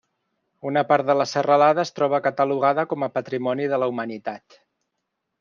Una part de la serralada es troba catalogada com a Patrimoni de la Humanitat.